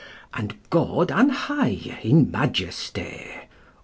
And God an hei} in Mageste.